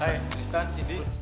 hai tristan sidi